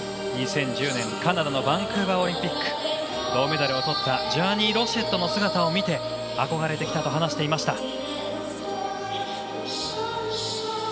２０１０年、カナダのバンクーバーオリンピックで銅メダルをとったロシェットの姿を見て憧れてきたと話していました。